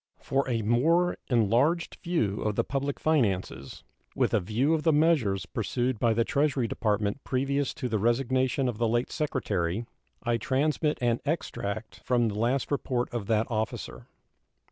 For a more enlarged view of the public finances, with a view of the measures pursued by the Treasury Department previous to the resignation of the late Secretary, I transmit an extract from the last report of that officer.